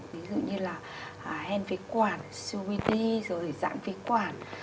ví dụ như là hèn phế quản cvt dạng phế quản